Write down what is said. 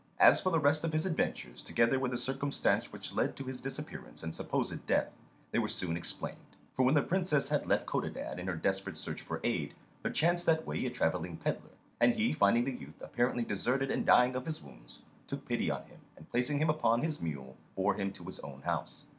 As for the rest of his adventures, together with the circumstance which had led to his disappearance and supposed death, they were soon explained. For when the Princess had left Codadad in her desperate search for aid, there chanced that way a travelling pedlar; and he, finding the youth apparently deserted and dying of his wounds, took pity on him, and placing him upon his mule bore him to his own house.